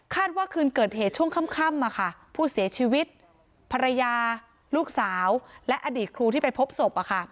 ว่าคืนเกิดเหตุช่วงค่ำผู้เสียชีวิตภรรยาลูกสาวและอดีตครูที่ไปพบศพ